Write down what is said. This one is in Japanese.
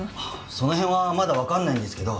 その辺はまだわからないんですけど。